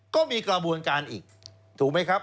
ก็มีกระบวนการอีกถูกไหมครับ